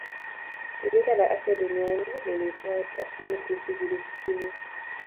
Shirika la Afya Duniani lilitoa tathmini kuhusu virusi hivyo